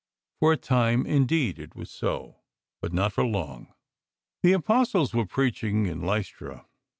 For a time, indeed, it was so, but not for long. The Apostles were preaching in Lystra.